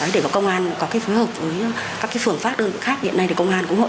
để công an có phối hợp với các phường phát đơn vị khác